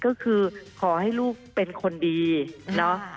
ก็คือขอให้ลูกเป็นคนดีเนาะ